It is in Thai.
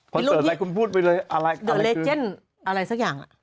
คอนเสิร์ตแบบคุณพูดไปเลยอะไรสักอย่าง